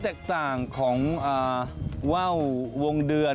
แตกต่างของว่าววงเดือน